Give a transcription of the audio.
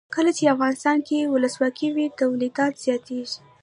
کله چې افغانستان کې ولسواکي وي تولیدات زیاتیږي.